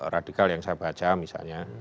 radikal yang saya baca misalnya